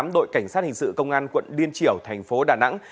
đội cảnh sát hình sự công an quận liên triểu thành phố đà nẵng